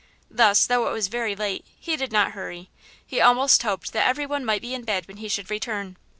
Thus, though it was very late, he did not hurry; he almost hoped that every one might be in bed when he should return.